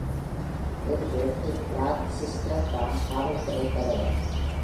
இன்று, Rick Lassiter தான் காவல்துறை தலைவர்.